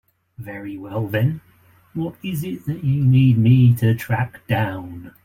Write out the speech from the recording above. Very well then, what is it that you need me to track down?